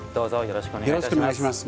よろしくお願いします。